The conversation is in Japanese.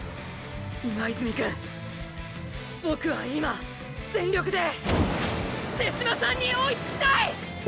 今泉くんボクは今全力で手嶋さんに追いつきたい！